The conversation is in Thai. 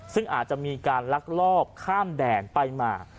ซึ่งอาจจะมีการลักลอบข้ามแดนไปมา